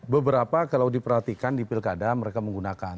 beberapa kalau diperhatikan di pilkada mereka menggunakan